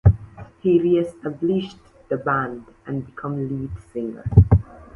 He reestablished the band and became the lead singer.